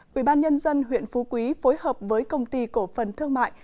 quỹ ban nhân dân huyện phú quý phối hợp với công ty cổ phần thương mại